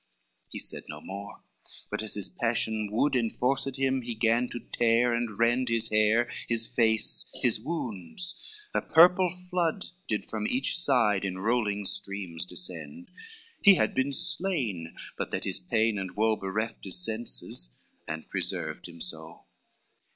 He said no more, but, as his passion wood Inforced him, he gan to tear and rend His hair, his face, his wounds, a purple flood Did from each side in rolling streams descend, He had been slain, but that his pain and woe Bereft his senses, and preserved him so.